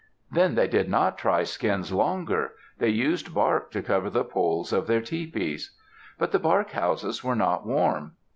Then they did not try skins longer. They used bark to cover the poles of their tepees. But the bark houses were not warm.